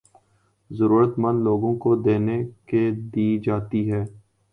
ضرورت مند لوگوں کو دینے کے دی جاتی ہیں